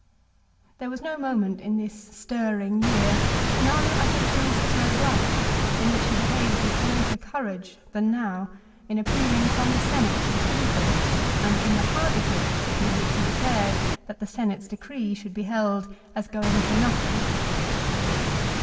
2 There was no moment in this stirring year, none I think during Cicero's life, in which he behaved with greater courage than now in appealing from the Senate to the people, and in the hardihood with which he declared that the Senate's decree should be held as going for nothing.